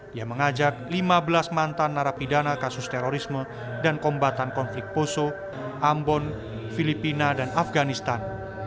dia mengajak lima belas mantan narapidana kasus terorisme dan kombatan konflik poso ambon filipina dan afganistan